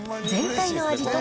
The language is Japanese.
全体の味